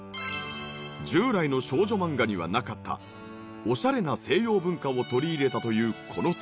従来の少女漫画にはなかったオシャレな西洋文化を取り入れたというこの作品。